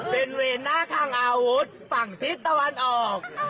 เป็นเวรหน้าทางอาวุธฝั่งทิศตะวันออก